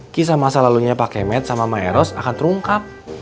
kisah masa lalunya pak kemet sama maeros akan terungkap